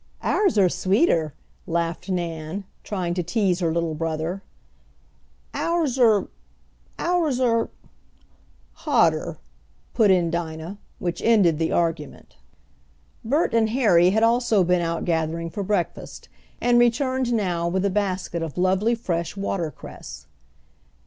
"Ours are sweeter," laughed Nan, trying to tease her little brother. "Ours are ours are " "Hotter," put in Dinah, which ended the argument. Bert and Harry had also been out gathering for breakfast, and returned now with a basket of lovely fresh water cress.